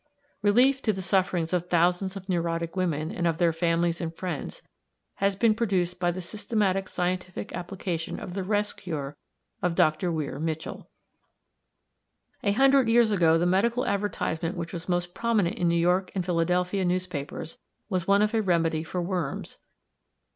Relief to the sufferings of thousands of neurotic women, and of their families and friends, has been produced by the systematic scientific application of the rest cure of Dr. Weir Mitchell. A hundred years ago the medical advertisement which was most prominent in New York and Philadelphia newspapers was one of a remedy for worms.